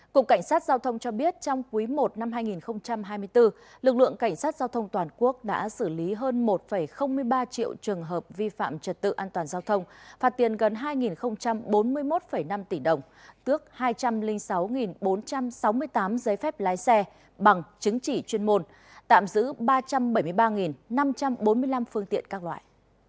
cục cảnh sát giao thông cho biết trong quý i năm hai nghìn hai mươi bốn lực lượng cảnh sát giao thông toàn quốc đã xử lý hơn một ba triệu trường hợp vi phạm trật tự an toàn giao thông phạt tiền gần hai bốn mươi một năm tỷ đồng tước hai trăm linh sáu bốn trăm sáu mươi tám giấy phép lái xe bằng chứng chỉ chuyên môn tạm giữ ba trăm bảy mươi ba năm trăm bốn mươi năm phương tiện các loại